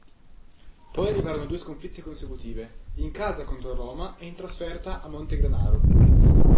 Poi arrivarono due sconfitte consecutive: in casa contro Roma e in trasferta a Montegranaro.